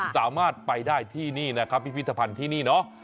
สามารถไปได้ที่นี่นะครับพิพิธภัณฑ์ที่นี่เนาะ